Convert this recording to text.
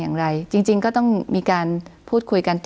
คุณปริณาค่ะหลังจากนี้จะเกิดอะไรขึ้นอีกได้บ้าง